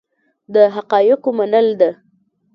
د حقایقو منل ده.